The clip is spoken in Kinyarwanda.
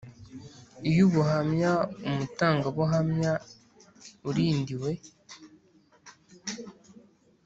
Iyo ubuhamya umutangabuhamya urindiwe